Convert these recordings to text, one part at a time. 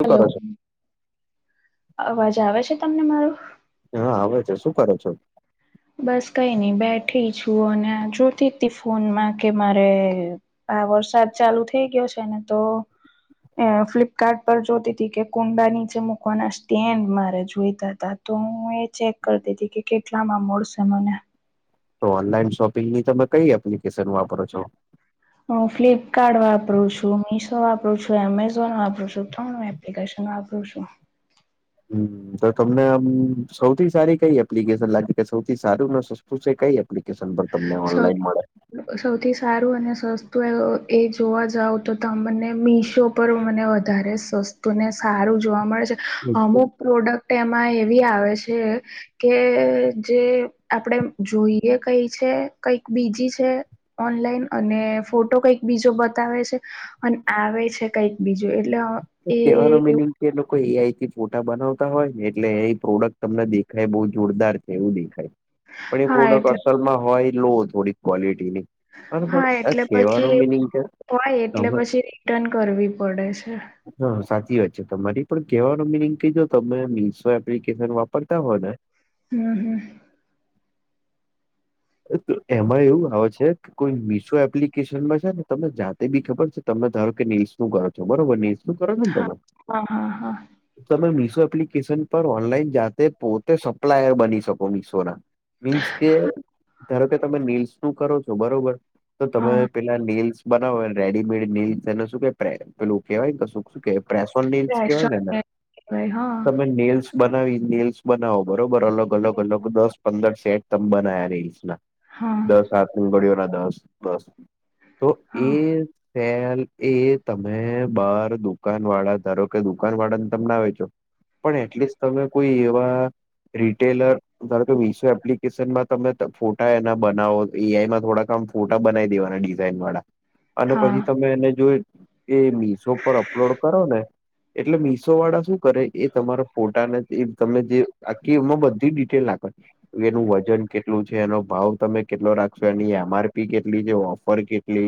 શું હલો કરો છો અવાજ આવે છે તમને મારો હા આવે છે. શું કરો છો? બસ કઈ નઈ બેઠી છું અને જોતી તી ફોનમાં કે મારે આ વરસાદ ચાલુ થઈ ગયો છે ને તો એ ફ્લિપકાર્ટ પર જોતી તી કે કુંડા નીચે મૂકવાના સ્ટેન્ડ મારે જોઈતા તા તો હું એ ચેક કરી કરતી તી કે કેટલામાં મોળશે મને તો ઓનલાઈન શોપિંગની તમે કઈ એપ્લિકેશન વાપરો છો? હું ફ્લિપકાર્ટ વાપરું છું, મીશો વાપરું છું, એમેઝોન વાપરું છું, ત્રણે એપ એકશન આપું છું હમ તો તમને સૌથી સારી કઈ એપ્લિકેશન લાગી કે સૌથી સારું ને સસ્તું છે કઈ અપ્લિકેશન પણ તમને સૌ ઓનલાઈન મળે સૌથી સારું અને સસ્તું એ જોવા જાવ તો તમને મીશો પર મને વધારે સસ્તું ને સારું જોવા મળે છે અમુક પ્રોડક્ટ એમાં એવી આવે છે કે જે આપડે જોઈએ કઈ છે કઈક બીજી છે ઓનલાઈન અને ફોટો કઈક બીજો બતાવે છે. અને આવે છે કઈક બીજું એટલે અ એ કેવાનું મીનિંગ એ લોકો એઆઈથી ફોટા બનાવતા હોય ને એટલે એ પ્રોડક્ટ તમને દેખાય બઉ જોરદાર છે એવું દેખાય. પણ એ હા એટલે પ્રોડક્ટ અસલમાં હોય લો થોડી ક્વોલિટીની. બરોબર હા આ એટલે પછી કહેવાનો મિનિંગ છે હોય એટલે તમે પછી રિટર્ન કરવી પડે છે. હા સાચી વાત છે તમારી પણ કહેવાનો મિનિંગ કહી દો તમે મીશો એપ્લિકેશન વાપરતા હો ને હમ હમ તો એમાં એવું આવે છે. કોઈ મીશો એપ્લિકેશનમાં છે ને તમે જાતે બી ખબર છે તમે ધારો કે નેશું કરો છો બરોબર ને શું કરો છો હા તમે? હા હા હા તમે મિશો એપ્લિકેશન પર ઓનલાઈન જાતે પોતે સપ્લાયર બની શકો મિશોના. મીન્સ કે ધારો કે તમે નીલ્સ નું કરો છો બરોબર તો તમે હા પેલા નીલ્સ બનાવ રેડીમેડ નીલ્સ એને શું કે પેું કેવાય કે કશું કે શું કેય પ્રેસ ઓન નીલ્સ કેવાય ને એને કહેવાય. તમે નીલ્સ બનાવી રીલ્સ બનાવો બરોબર અલગ અલગ અલગ દસ પંદર સેટ તમે બનાયા રીલ્સના. હા ત સાથ ની ઘડિયો યાદ આવશે બસ તો એ. હા, ફેલ એ તમે બાર દુકાનવાળા ધારો કે દુકાનવાળા ને તમે ના વેચો. પણ એટલીસ્ટ તમે કોઈ એવા રિટેલર ધારો કે વિસો એપ્લિકેશનમાં તમે ત ફોટા એના બનાવો એઆઈમાં થોડાક આમ ફોટા બનાવી દેવાના ડિઝાઇન વાળા હા, અને પછી હા, તમે એને જો એ મીશો પર અપલોડ કરો ને એટલે મિશો વાળા શું કરે એ તમારા ફોટાને એ તમે જે આખી એમાં બધી ડિટેલ નાખ એનું વજન કે. કેટલું છે એનો ભાવ તમે કેટલો રાખશો એની એમઆરપી કેટલી છે ઓફર કેટલી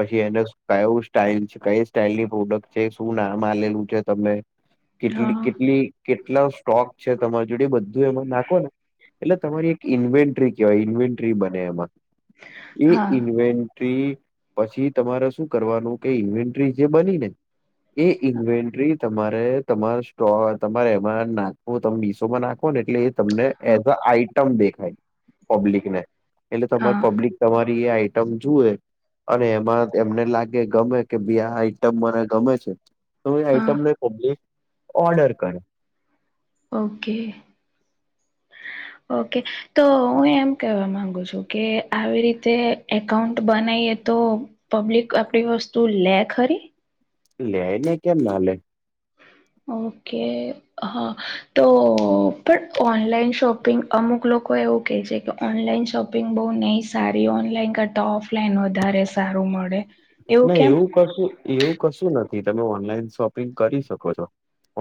પછી એના કયું સ્ટાઈલ જ કઈ સ્ટાઈલની પ્રોડક્ટ છે શું નામ આલે લુ છે તમને [unintelligible] કેટલી હા, કેટલી કેટલા સ્ટોક છે તમારી જોડે બધું એમાં નાખો ને એટલે તમારી ઇન્વેન્ટરી કેવાય ઇન્વેન્ટરી બને એમાં એ હા, ઇન્વે ટી પછી તમારે શું કરવાનું કે ઇવેન્ટ્રી જે બની ને. એ ઈવેન્ટ્રી તમારે તમાર સ્ટોક તમારે એમાં નાખવો તમે મિશો માં નાખો ને એટલે એ તમને હા, એદ અ આઈટમ દેખાય. પબ્લિકને એટલે તમા હા, પબ્લિક તમારી એ આઈટમ જુએ અને એમાં એમને લાગે ગમે કે બી આ આઈટમ મને ગમે છે. તો એ હા, આઈટમને પબ્લીક ઓર્ડર કરે. ઓકે. [unintelligible] ઓકે તો હું એમ કેવા માંગુ છું કે આવી રીતે એકાઉન્ટ બનાઈએ. તો પબ્લિક આપડી વસ્તુ લે ખરી લે ને કેમ ના લે. [unintelligible] ઓકે હા તો પણ ઓનલાઈન શોપિંગ અમુક લોકો એવું કે છે કે ઓનલાઈન શોપિંગ બહુ નહિ સારી ઓનલાઈન કરતા ઓફલાઈન વધારે સારું મળે. ના એવું કશું એવું કશું નથી તમે ઓનલાઈન શોપિંગ કરી શકો છો.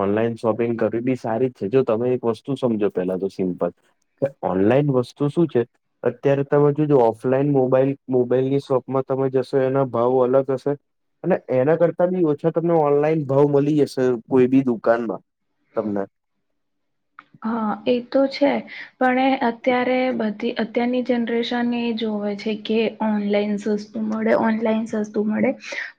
ઓનલાઈન શોપિંગ કરવી બી સારી જ છે જો તમે એક વસ્તુ સમજો પેલા તો સિમ્પલ કે ઓનલાઈન વસ્તુ શું છે. અત્યારે તમે જોજો ઓફલાઈન મોબાઈલ મોબાઈલની શોપમાં તમે જશો એના ભાવ અલગ હશે અને એના કરતા બી ઓછા તમને ઓનલાઈન ભાવ મલી જશે. કોઈ બી દુકાનમાં તમને હા એ તો છે પણે અત્યારે બધી અત્યારની જનરેશન એ જોવે છે કે ઓનલાઈન સસ્તું મળે ઓનલાઈન સસ્તું મળે.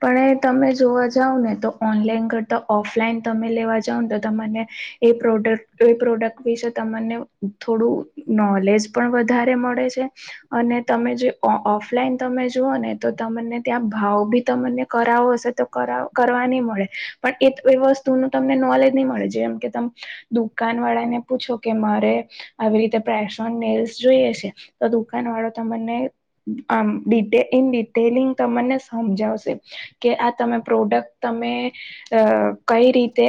પણ એ તમે જોવા જાવ ને તો ઓનલાઈન કરતા ઓફલાઈન તમે લેવા જાવ ને તો તમને. એ પ્રોડક્ટ એ પ્રોડક્ટ વિશે તમને થોડું નોલેજ પણ વધારે મળે છે. અને તમે જે ઓ ઓ ઓફલાઈન તમે જુઓ ને તો તમને ત્યાં ભાવ બી તમને કરાવ હશે તો કરાવ કરવા નહી મળે પણ એ વસ્તુ નુ તમને નોલેજ નહી મળે જેમ કે તમ દુકાન વાળા ને પૂછો કે મારે આવી રીતે પ્રેસન નેલ્સ જોઈએ છે તો દુકાન વાળો તમને આમ ડિટે ઇ ડિટેલિંગ તમને સમજાવશે. કે આ તમે પ્રોડક્ટ તમે અ કઈ રીતે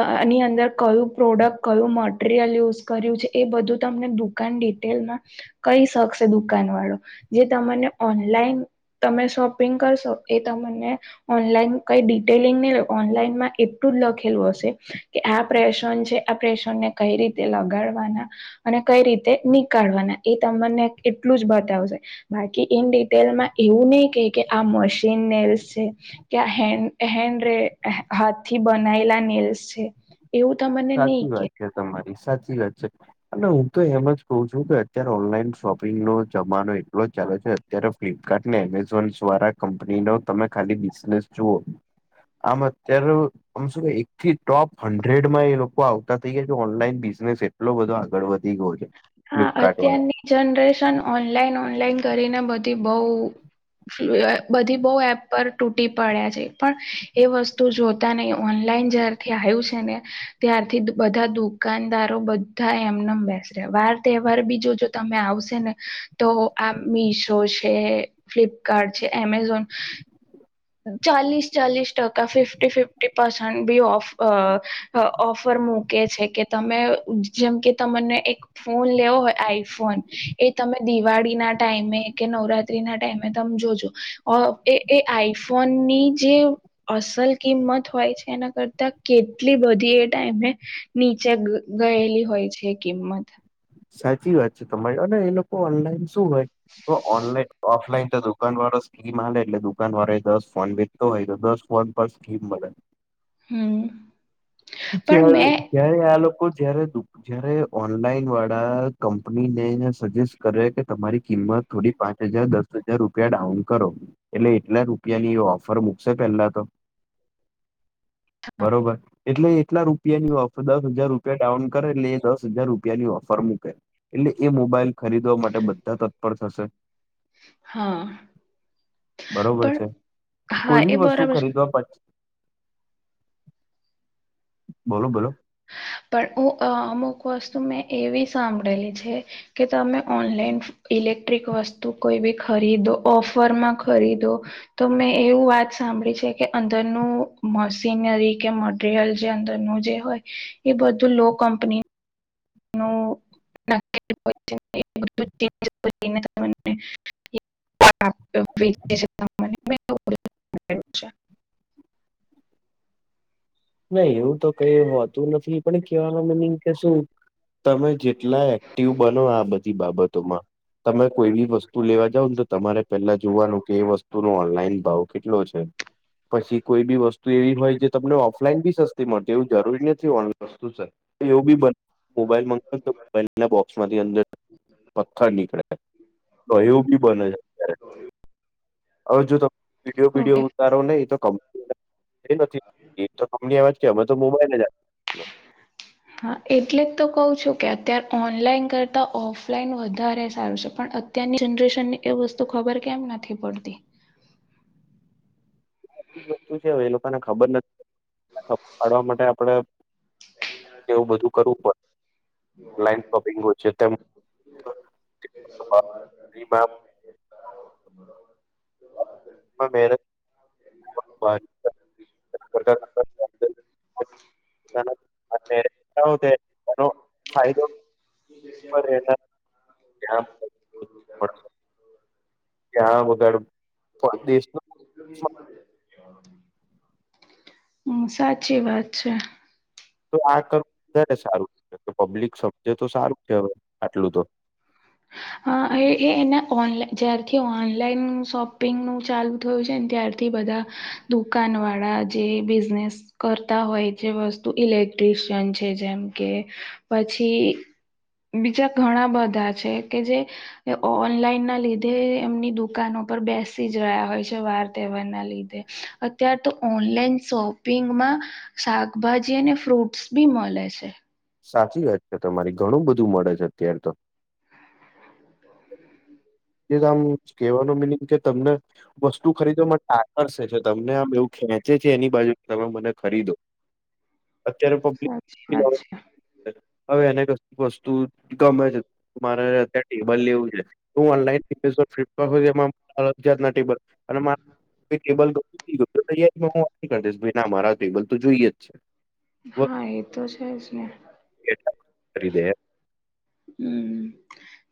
અ ની અંદર કયું પ્રોડક્ટ કયું મટરિયલ યુઝ કર્યું છે એ બધું તમને દુકાન ડિટેલમાં કહી શકશે દુકાન વાળો જે તમને ઓનલાઈન તમે શોપિંગ કરશો એ તમને ઓનલાઈન કઈ ડિટેલિંગ ઓનલાઈનમાં એટલું જ લખેલું હશે કે આ પ્ર છે આ પ્રેશણ ને કઈ રીતે લગાડવાના અને કઈ રીતે નીકાળવાના એ તમને એટલું જ બતાવશે બાકી ઇન ડિટેલમાં એવું નહી કે કે આ મશીન નેલસ છે કે આ હેન્ડ હેન્ડ ર હાથથી બનાયલા નીલ્સ છે. એવું તમને નહી સાચી કે વાત છે તમારી સાચી વાત છે અને હું તો એમ જ કઉ છું કે અત્યારે ઓનલાઈન શોપિંગ ન જમાનો એટલો જ ચાલે છે. અત્યારે ફ્લિપકાર્ટ ને એમેઝોન દ્વારા કંપની નો તમે ખાલી બિઝનેસ જુઓ આમ અત્યારે આમ શુ એક થી ટોપ હંડ્રેડ માં એ લોકો કો આવતા થઈ ગયા છે ઓનલાઈન બિઝનેસ એટલો બધો આગળ વધી ગયો છે. હા ફ્લિપકાર્ટ વાળા અત્યારની જનરેશન ઓનલાઈન ઓનલાઈન કરીને બધી બઉ. બધી બહુ એપ પર તૂટી પડ્યા છે પણ એ વસ્તુ જો તાને ઓનલાઈન જ્યારથી આવ્યું છે ને ત્યારથી બધા દુકાનદારો થ એમને બેસ વાર તહેવાર બી જોજો તમે આવશે ને તો આ મીશો છે ફ્લિપકાર્ટ છે એમેઝોન ચાલીસ ચાલીસ ટકા ફિફ્ટી ફિફ્ટી પસન્ટ બી ઓફ અ ઓફર મૂકે છે કે તમે જેમ કે તમને એક ફોન લેવો હોય આઈફોન એ તમે દિવાળી ના ટાઈમે કે નવરાત્રી ના ટાઈમે તમે જોજો અ એ એ આઈફોન ની જે અસલ કિંમત હોય છે એના કરતા કેટલી બધી એ ટાઈમે નીચે ગયેલી હોય છે કિંમત સાચી વાત છે તમારે ને એ લોકો ઓનલાઈન શું હોય તો ઓનલાઈન ઓફલાઈન તો દુકાન વાળો સ્કીમ હાલે એટલે દુકાન વાળો દસ ફોન વે તોય દસ વન પર સ્કીમ મલે હમ પણ મેં તય્યારે આ લોકો જયારે દુ જયારે ઓનલાઈન વાળ આ કંપનીને સજેસ્ટ કરે કે તમારી કિંમત થોડી પાંચ હજાર દસ હજાર રૂપિયા ડાઉન કરો એટલે એટલા રૂપિયાની ઓફર મૂકશે પેલા તો બરોબર એટલે એટલા રૂપિયાની ઓફ દસ હજાર રૂપિયા ડાઉન કરે એટલે એ દસ હજાર રૂપિયાની ઓફ ફર મૂકે એટલે એ મોબાઈલ ખરીદવા માટે બધા તત્પર થશે હા બરોબર પણ છે હા કોઈ એ બી વસ્તુ બરાબર ખરીદવા પ બોલો બોલો પણ ઈ અમુક વસ્તુ મેં એવી સાંભળેલી છે કે તમે ઓનલાઈન ઇલેક્ટ્રિક વસ્તુ કોઈ બી ખરીદો ઓફરમાં ખરીદો તો મેં એવું વાત સાંભળી છે કે અંદરનું મશીનરી કે મ ટીરિયલ જે અંદર નું જે હોય એ બધું લો કંપની [unintelligible] [unintelligible] અચ્છા નહી એવું તો કઈ હોતુ, નથી પણ કેહેવાવામાં મની કે શુ તમે જેટલા એક્ટિવ બનો આ બધી બાબતોમા તમે કોઈ બી વસ્તુ લેવા જાવ ને તો તમારે પેલા જોવાનુ કે એ વસ્તુ નો ઓનલાઈન ભાવ કેટલો છે. પછી કોઈ બી વસ્તુ એવી હોય જે તમને ઓ ઓલાઈન બી સસ્તી મળતી એવું જરૂરી નથી ઓ વસ્તુ એવું બી બ મોબાઈલ મંગ તો મોબાઈલ ના બોક્સ માંથી અંદર પથ્થર નીકળે તો એવું બી બને છે. હવે જો તમે વિડીયો ઓકે, બીડીયો ઉતારો ને એ તો કમ એ નથી એ તો કંપનીમાં જ કે અમે તો મોબાઈલ જ હા એટલે જ તો કહ છુ, કે અત્યારે ઓનલાઈન કરતા ઓફલાઈન વધારે સારું છે, પણ અ ત્યંની જનરેશન ની એ વસ્તુ ખબર કેમ નથી પડતી જ વસ્તુ છે એ લોકોને ખબર નથી ખ પાડવા માટે આપડણે એવું બધું કરવું પડે લન શોપિંગ હોય છે, તેમ [inaudible] [inaudible] [unintelligible] નો ફાયદો હામ ત્યાં વગડ કો દેશ હા સાચી વાત છે. તો આ કરવું વધારે સારુ પબ્લિક શબ્જ તો સારું છે, હવે આટલું તો એ એના ઓનલા જ્યારથી ઓનલાઈન શોપિંગનું ચાલુ થયું છે ને ત્યારથી બધા દુકાન વાળા જે બિઝનેસ કરતા હોય જે વસ્તુ ઇલેક્ટ્રિશિયન છે જેમ કે પછી બીજા ઘણા બધા છેકે, જે એ ઓનલાઈન ના લીધે એમની દુકાનો પર બેસી જ રહ્યા હોય છે વાર તહેવાર ના લીધે અત્યાર તો ઓનલાઈન શોપિંગમા શાકભાજી અને ફ્રૂટ્સ બી મળે છે. સાચી વાત છે તમારી ઘણું બધું મળે છે અત્યારે તો એ આમ કેવાનું મિનિંગ કે તમને વસ્તુ ખરીદવા ટાકર્સે છે તમને આ બવું ખેંચે છે એની બાજુ તમે મને ખરીદો અત્યારે સાચી વાત છે પ્લ હવે એને ક વસ્તુ ગમે છે, મારે્યા ટેબલ લેવું છે. હું ઓનલાઈન ફ્પ્ટ એમાં અ હ જાાત ના ટેબલ અને મા કેબલ ગુ થ ગયુ. હુ વા કરી દઈશ ભાઈ ના મારા ટેબલ તો જોઈએ, જ છે. હા એ તો છેજ. એ દે હમ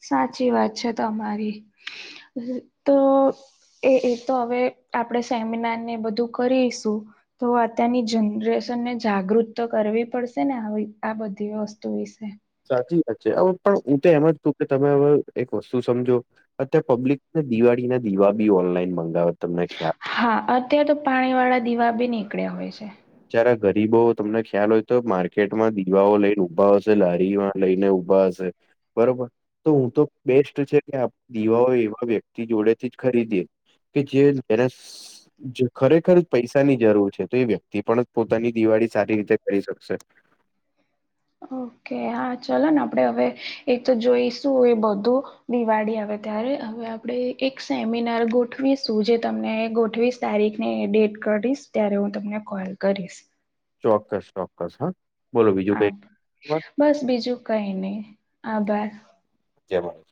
સાચી વાત છે, તમારી તો એ એ તો હવે આપણે સેમિનાર ને બધું કરીશુ તો અત્યારની જનરેશન ને જાગૃત તો કરવી પડશે ને આવી આ બધી વસ્તુ વિશે સાચી વાત છે, હવે પણ હુતો એમ જ તું કે તમે હવે એક વસ્તુ સમજો અત પબ્લિકને દિવાળી ના દીવા બી ઓનલાઈન મંગાવે તમને ખ્યાલ હા અત્યારે તો પાણી વાળા દીવા બી નીકળ્યા હોય છે. જારા ગરીબો તમને ખ્યાલ હોય તો માર્કેટમાં દીવાઓ લઈને ઉભા હશે લારીમાં લઈને ઉઊભા હશે. બરોબર તો હું તો બેસ્ટ છે કે દીવાઓ એવા વ્યક્તિ જોડેથી જ ખરીદીએે. કે જેને ખરેખર પૈસાની જરૂર છે તો એ વ્યક્તિ તે પણ જ પોતાની દિવાળી સારી રીતે કરી શકશે. ઓકે હા ચલો ને આપણે હવે એક તો જોઈશું એ બધું. દિવાળી આવે ત્યારે હવે આપણે એક સેમિનાર ગોઠવીશું જે તમને ગોઠવીશ. તારીખને ડેટ કરીશ ત્યારે હું તમને કોલ કરીશ. ચોક્કસ ચોક્કસ હા બોલો બીજું હા કઈ. વાત? બસ બીજું કઈ નહી આભાર. જય માતાજી